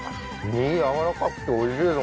身軟らかくておいしいです